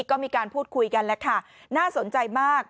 ก็มีการพูดคุยกันแล้วค่ะน่าสนใจมาก